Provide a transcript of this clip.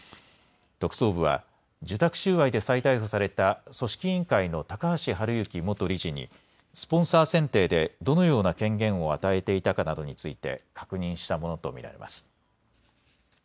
特捜部は受託収賄で再逮捕された組織委員会の高橋治之元理事にスポンサー選定でどのような権限を与えていたかなどについて確認したものと見られます。